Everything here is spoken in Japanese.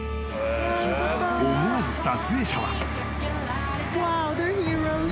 ［思わず撮影者は］